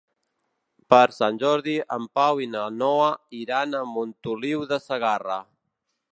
Per Sant Jordi en Pau i na Noa iran a Montoliu de Segarra.